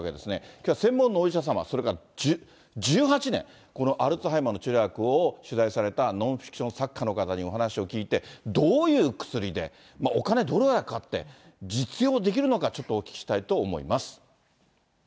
きょうは専門のお医者様、それから１８年、このアルツハイマーの治療薬を取材されたノンフィクション作家の方にお話を聞いて、どういう薬で、お金どれだけかかって、実用できるのか、ちょっとお聞きしたいと思います。